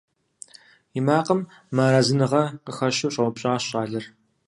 И макъым мыарэзыныгъэ къыхэщу щӀэупщӀащ щӀалэр.